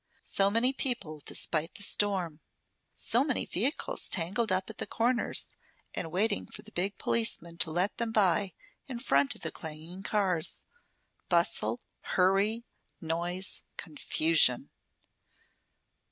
So many people, despite the storm! So many vehicles tangled up at the corners and waiting for the big policemen to let them by in front of the clanging cars! Bustle, hurry, noise, confusion!